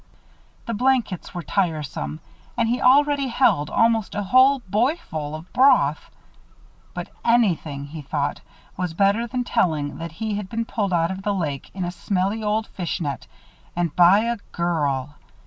The blankets were tiresome and he already held almost a whole boyful of broth; but anything, he thought, was better than telling that he had been pulled out of the lake in a smelly old fish net; and by a girl!